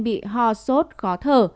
bị ho sốt khó thở